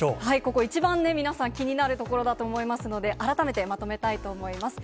ここ一番、皆さん気になるところだと思いますので、改めてまとめたいと思います。